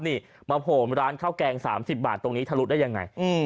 มาถึงโรงพยาบาลร้านข้าวแกง๓๐บาทตรงนี้ต่อทะเลทะลุได้ยังไง